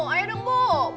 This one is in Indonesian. ayo dong bu buruk